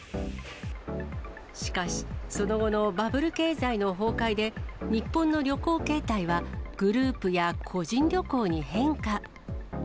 しかし、その後のバブル経済の崩壊で、日本の旅行形態はグループや個人旅行に変化。